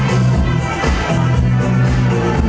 ไม่ต้องถามไม่ต้องถาม